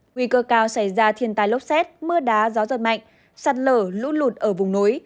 nguy cơ cao xảy ra thiên tai lốc xét mưa đá gió giật mạnh sạt lở lũ lụt ở vùng núi